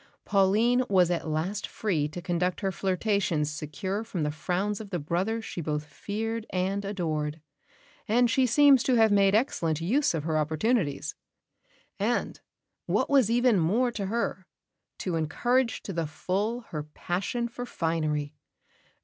Pauline was at last free to conduct her flirtations secure from the frowns of the brother she both feared and adored, and she seems to have made excellent use of her opportunities; and, what was even more to her, to encourage to the full her passion for finery.